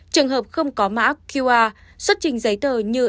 trường hợp không có mã qr xuất trình giấy tờ như